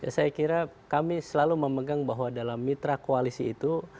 saya kira kami selalu memegang bahwa dalam mitra koalisi itu